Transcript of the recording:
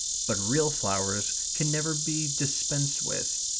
But real flowers can never be dispensed with.